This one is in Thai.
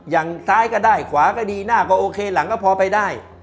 อย่างซ้ายก็ได้ขวาก็ดีหน้าก็โอเคหลังก็พอไปได้